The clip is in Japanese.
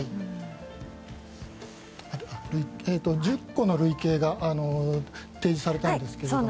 １０個の類型が提示されたんですけども。